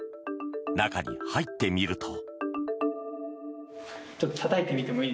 中に入ってみると。